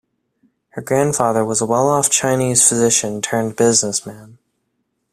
His grandfather was a well-off Chinese physician-turned-businessman.